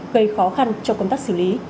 gây khó khăn cho công tác xử lý